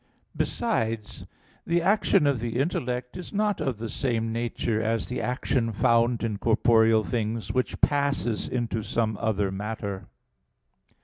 Besides the action of the intellect is not of the same nature as the action found in corporeal things, which passes into some other matter.